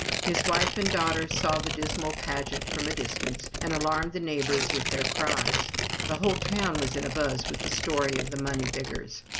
His wife and daughter saw the dismal pageant from a distance, and alarmed the neighborhood with their cries. The whole town was in a buzz with the story of the money diggers.